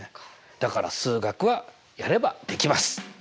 だから数学はやればできます！